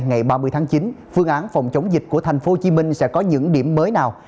ngày ba mươi tháng chín phương án phòng chống dịch của tp hcm sẽ có những điểm mới nào